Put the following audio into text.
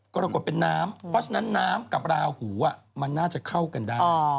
กรกฎเป็นน้ำเพราะฉะนั้นน้ำกับราหูมันน่าจะเข้ากันได้